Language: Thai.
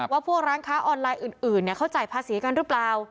ว่าพวกร้านค้าออนไลน์อื่นเขาจ่ายภาษีกันหรือเปล่า